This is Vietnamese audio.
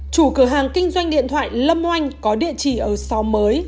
chủ cửa hàng kinh doanh điện thoại lâm oanh có địa chỉ ở xóa mới